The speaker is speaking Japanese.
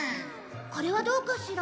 これはどうかしら？